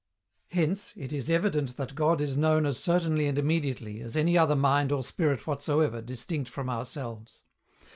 Hence, it is evident that God is known as certainly and immediately as any other mind or spirit whatsoever distinct from ourselves.